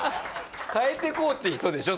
変えていこうっていう人でしょ？